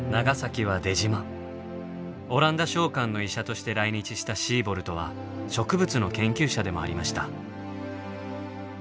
オランダ商館の医者として来日したシーボルトは植物の研究者でもありました。